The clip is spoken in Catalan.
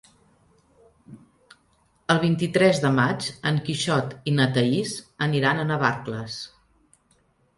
El vint-i-tres de maig en Quixot i na Thaís aniran a Navarcles.